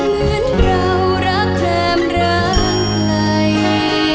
เหมือนเรารักแถมรักไกล